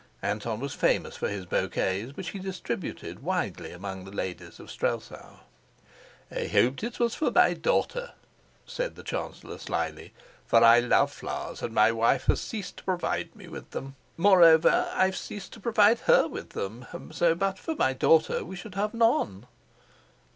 Anton was famous for his bouquets, which he distributed widely among the ladies of Strelsau. "I hoped it was for my daughter," said the chancellor slyly. "For I love flowers, and my wife has ceased to provide me with them; moreover, I've ceased to provide her with them, so, but for my daughter, we should have none."